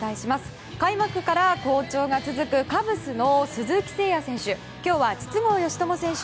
開幕から好調が続くカブスの鈴木誠也選手。